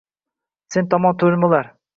Sen tomon termular, termular to’yib